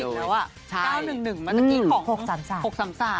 เดี๋ยวนั้นมันเลขบ้างอีกแล้วอ่ะ๙๑๑มันเมื่อกี้ของ๖๓๓